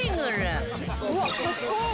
うわっ賢っ！